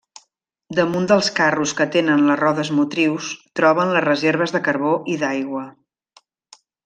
Damunt dels carros que tenen les rodes motrius troben les reserves de carbó i d'aigua.